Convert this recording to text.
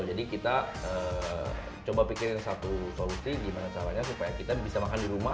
jadi kita coba pikirin satu solusi gimana caranya supaya kita bisa makan di rumah